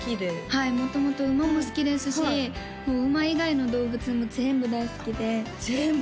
はい元々馬も好きですしもう馬以外の動物も全部大好きで全部？